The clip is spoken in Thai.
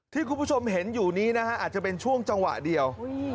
ที่คุณผู้ชมเห็นอยู่นี้นะฮะอาจจะเป็นช่วงจังหวะเดียว